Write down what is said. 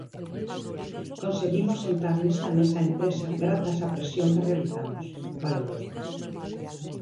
"Conseguimos sentar nesta mesa a empresa grazas á presión que realizamos", valorou.